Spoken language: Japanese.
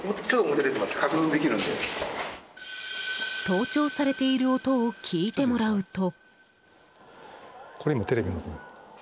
盗聴されている音を聞いてもらうと。